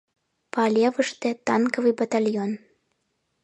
Палевыште — танковый батальон.